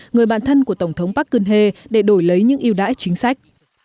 người bạn thân của tổng thống park geun hye để đổi lấy những ưu đãi chính sách